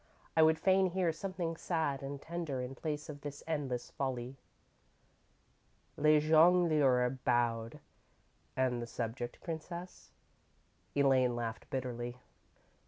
I would fain hear something sad and tender in place of this endless folly."_ Le Jongleur bowed. "And the subject, Princess?" _Elaine laughed bitterly.